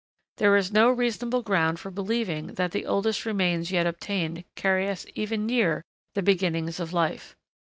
There is no reasonable ground for believing that the oldest remains yet obtained carry us even near the beginnings of life.